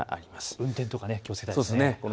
運転とか気をつけたいですね。